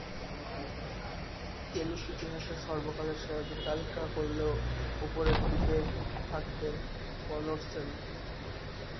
Tennis ইতিহাসের সর্বকালের সেরাদের তালিকা করলে ওপরের দিকেই থাকবে কনর্সের নাম।